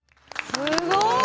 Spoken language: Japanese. すごい！